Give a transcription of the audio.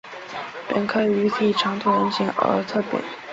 本科鱼体长椭圆形而侧扁。